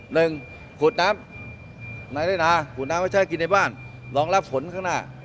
หนึ่งขุดน้ำไม่ใช่กินในบ้านรองรับผลข้างหน้า